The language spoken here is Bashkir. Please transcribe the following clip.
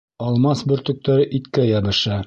Алмас бөртөктәре иткә йәбешә.